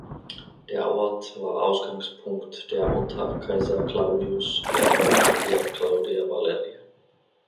Der Ort war Ausgangspunkt der unter Kaiser Claudius erbauten Via Claudia Valeria.